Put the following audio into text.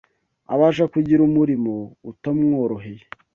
abasha kugira umurimo utamworoheye